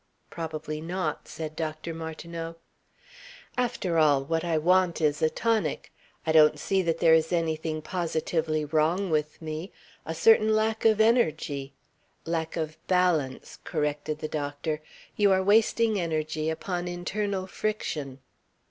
"Probably not," said Dr. Martineau. "After all, what I want is a tonic. I don't see that there is anything positively wrong with me. A certain lack of energy " "Lack of balance," corrected the doctor. "You are wasting energy upon internal friction."